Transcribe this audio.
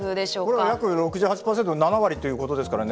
これは約６８％７割ということですからね